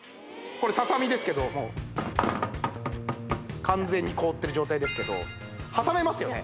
これササミですけど完全に凍ってる状態ですけど挟めますよね